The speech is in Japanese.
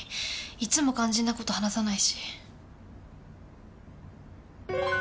いつも肝心な事話さないし。